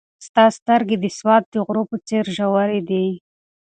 ستا سترګې د سوات د غرو په څېر ژورې دي.